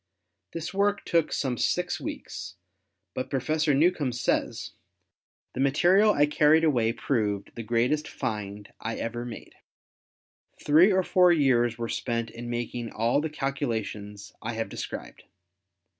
This work took some six weeks, but Professor Newcomb says, "The material I carried away proved the greatest find I ever made. Three or four years were spent in making all the calculations I have described.